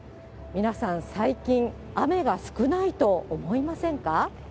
皆さん、最近、雨が少ないと思いませんか？